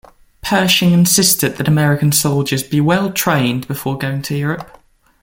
Pershing insisted that American soldiers be well-trained before going to Europe.